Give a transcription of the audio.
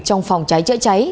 trong phòng cháy cháy cháy